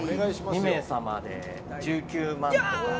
２名様で１９万とか。